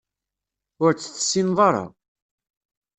Ur tt-tessineḍ ara.